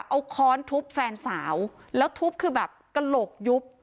เอาค้อนทุบแฟนสาวแล้วทุบคือแบบกระโหลกยุบ